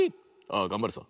「ああがんばるさ」。